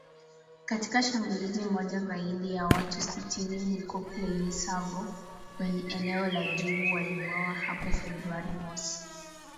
Katika shambulizi moja, zaidi ya watu sitini huko Plaine Savo kwenye eneo la Djubu waliuawa hapo Februari mosi.